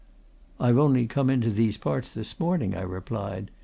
"I've only come into these parts this morning," I replied.